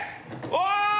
うわ！